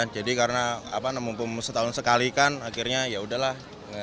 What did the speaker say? jadi karena mumpung setahun sekali kan akhirnya yaudahlah